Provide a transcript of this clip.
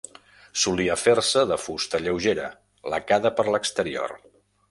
Solia fer-se de fusta lleugera, lacada per l'exterior.